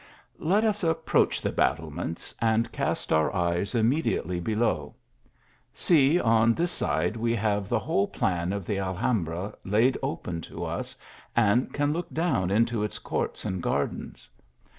Let us approach the battlements and cast cur eyes immediately below. See, on this side we have the whole plan of the Alhambra laid open to us, and can look clown into its courts and gardens.